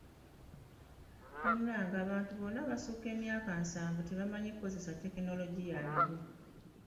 Munnange abantu bonna abasukka emyaka nsanvu tebamanyi kukozesa tekinologiya aliwo.